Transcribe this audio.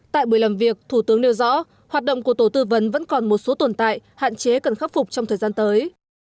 tại buổi làm việc thủ tướng nêu rõ hoạt động của tổ tư vấn vẫn còn một số tồn tại hạn chế cần khắc phục trong thời gian tới